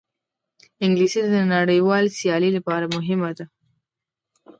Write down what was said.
انګلیسي د نړیوال سیالۍ لپاره مهمه ده